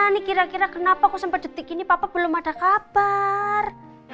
nih kira kira kenapa aku sempet detik ini papa belum ada kabar